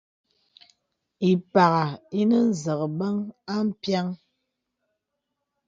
Ì pàghā ìnə nzəbəŋ à mpiaŋ.